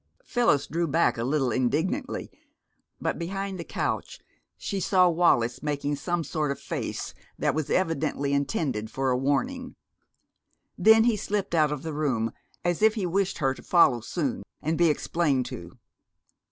Phyllis drew back a little indignantly, but behind the couch she saw Wallis making some sort of face that was evidently intended for a warning. Then he slipped out of the room, as if he wished her to follow soon and be explained to.